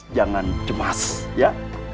jangan cemas ya